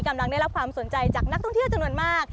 กำลังได้รับความสนใจจากนักท่องเที่ยวจำนวนมาก